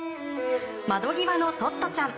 「窓ぎわのトットちゃん」。